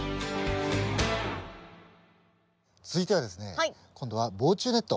続いてはですね今度は防虫ネット。